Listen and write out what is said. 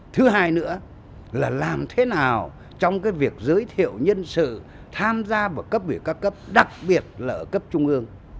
thứ hai nữa là làm thế nào trong cái việc giới thiệu nhân sự tham gia vào cấp biểu ca cấp đặc biệt là ở cấp trung ương